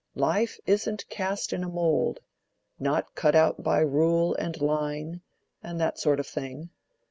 "Life isn't cast in a mould—not cut out by rule and line, and that sort of thing.